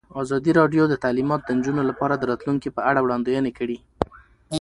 ازادي راډیو د تعلیمات د نجونو لپاره د راتلونکې په اړه وړاندوینې کړې.